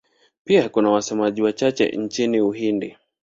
Pia kuna wasemaji wachache nchini Uhindi.